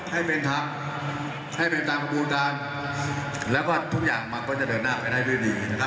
ให้เป็นทักให้เป็นตามประวุฒาและว่าทุกอย่างมักจะเดินหน้าไปได้ด้วยดี